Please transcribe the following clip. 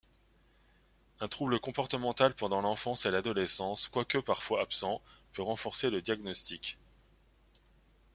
Un trouble comportemental pendant l'enfance et l'adolescence, quoique parfois absent, peut renforcer le diagnostic.